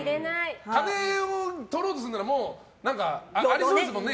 金を取ろうとするんだったらもう、ありそうですもんね。